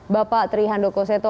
bapak trihandoko seto